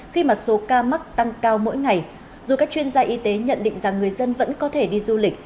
khi mà số ca mắc tăng cao mỗi ngày dù các chuyên gia y tế nhận định rằng người dân vẫn có thể đi du lịch